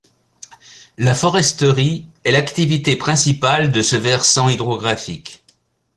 La foresterie est l’activité principale de ce versant hydrographique.